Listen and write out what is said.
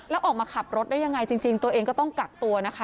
แล้วออกมาขับรถได้ยังไงจริงตัวเองก็ต้องกักตัวนะคะ